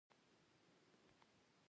طبیعت او چاپیریال